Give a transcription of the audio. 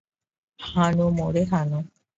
হানো মোরে, হানো।